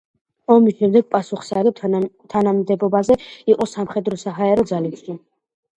ომის შემდეგ პასუხსაგებ თანამდებობაზე იყო სამხედრო-საჰაერო ძალებში.